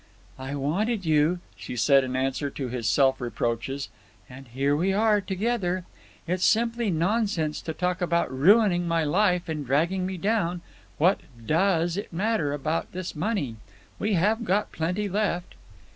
"I wanted you," she said in answer to his self reproaches, "and here we are, together. It's simply nonsense to talk about ruining my life and dragging me down. What does it matter about this money? We have got plenty left."